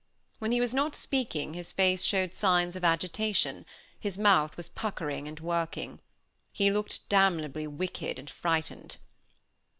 When he was not speaking his face showed signs of agitation; his mouth was puckering and working. He looked damnably wicked and frightened.